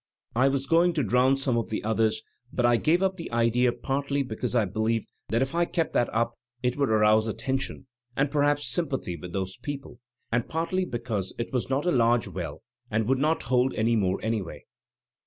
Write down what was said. I was going to drown some of the others, but I gave up the idea partly because I believed that if I kept that up it would arouse attention, and perhaps sympathy with those people, and partly because it was not a large well and would not hold any more anyway."